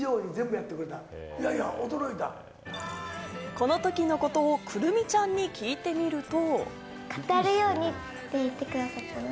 このときのことを来泉ちゃんに聞いてみると。